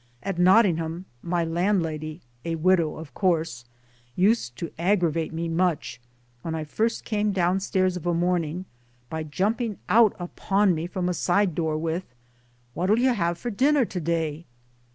At Not tingham my landlady a widow of course used to aggravate me much, when I first came downstairs of a morning, by jumping out upon me from a side door with " What'll you have for dinner to day?